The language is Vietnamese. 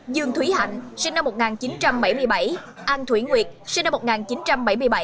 dương thúy hạnh sinh năm một nghìn chín trăm bảy mươi bảy an thủy nguyệt sinh năm một nghìn chín trăm bảy mươi bảy